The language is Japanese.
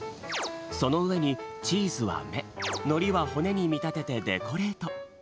そのうえにチーズはめのりはほねにみたててデコレート。